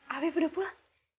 afif udah pulang